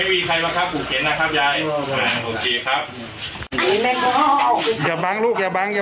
ไม่มีใครบ้างครับผู้เข็ญนะครับยายโอเคครับ